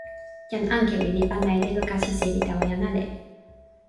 jan Ankewi li pana e telo kasi seli tawa jan ale.